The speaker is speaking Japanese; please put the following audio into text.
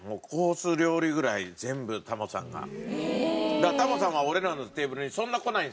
だからタモさんは俺らのテーブルにそんな来ないんですよ。